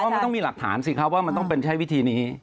มันต้องมีหลักฐานสิครับว่ามันต้องเป็นใช้วิธีนี้